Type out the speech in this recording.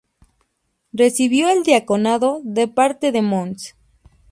Recibió el diaconado de parte de Mons.